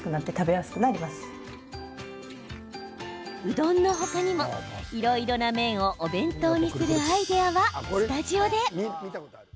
うどんの他にも、いろいろな麺をお弁当にするアイデアはスタジオで。